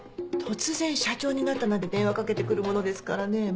突然社長になったなんて電話かけて来るものですからね